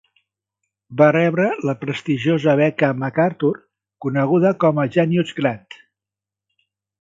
Va rebre la prestigiosa beca MacArthur, coneguda com a "Genius Grant".